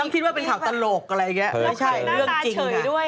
ต้องคิดว่าเป็นข่าวตลกอะไรอย่างเงี้ยไม่ใช่แต่ร่วมเรื่องจริง